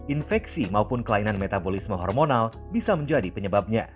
infeksi maupun kelainan metabolisme hormonal bisa menjadi penyebabnya